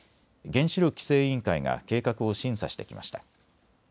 原子力規制委員会が計画を審査してきました。